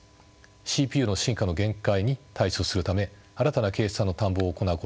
ＣＰＵの進化の限界に対処するため新たな計算の探訪を行うことも大事です。